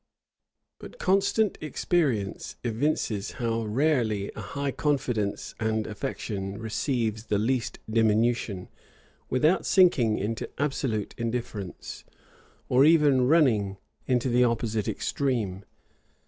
But constant experience evinces how rarely a high confidence and affection receives the least diminution, without sinking into absolute indifference, or even running into the opposite extreme.